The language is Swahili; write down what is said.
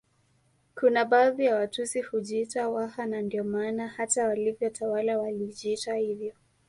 Kuna baadhi ya Watusi hujiita Waha na ndiyo maana hata walivyotawala walijiita hivyo